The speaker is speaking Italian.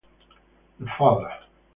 The Father